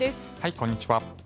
こんにちは。